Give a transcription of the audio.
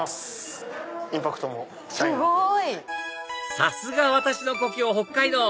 さすが私の故郷北海道！